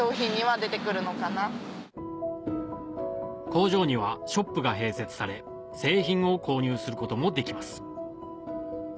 工場にはショップが併設され製品を購入することもできます